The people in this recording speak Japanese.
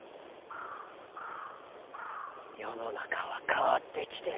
世の中は変わってきてる。